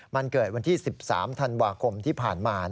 มันเกิดวันที่๑๓ธันวาคมที่ผ่านมา